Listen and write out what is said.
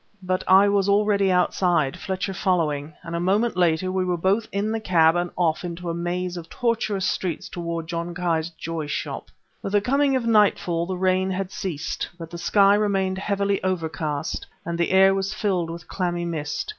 But I was already outside, Fletcher following; and a moment later we were both in the cab and off into a maze of tortuous streets toward John Ki's Joy Shop. With the coming of nightfall the rain had ceased, but the sky remained heavily overcast and the air was filled with clammy mist.